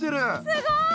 すごい！